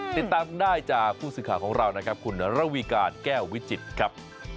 ติดตามได้จากผู้สื่อข่าวของเรานะครับคุณระวีการแก้ววิจิตรครับ